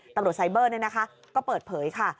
ตำรวจไซเบอร์เนี่ยนะคะก็เปิดเผยค่ะ